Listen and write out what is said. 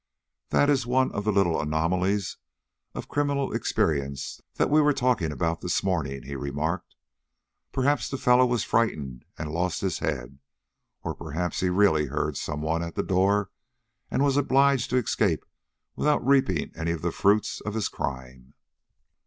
"That is one of the little anomalies of criminal experience that we were talking about this morning," he remarked. "Perhaps the fellow was frightened and lost his head, or perhaps he really heard some one at the door, and was obliged to escape without reaping any of the fruits of his crime."